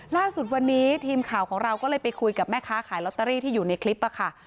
ล่าสุดวันนี้ทีมข่าวของเราก็เลยไปคุยกับแม่ค้าขายลอตเตอรี่ที่อยู่ในคลิปค่ะ